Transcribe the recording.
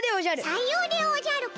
さようでおじゃるか。